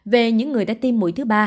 về những người đã tiêm mũi thứ ba